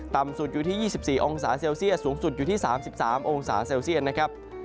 ต่ำสุดอยู่ที่๒๔องศาเซลเซียสสูงสุดอยู่ที่๓๓องศาเซลเซียตนะครับ